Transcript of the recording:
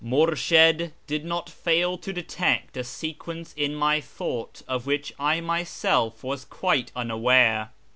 Murshid did not fail to detect a sequence in my thought of which I myself was quite unaware.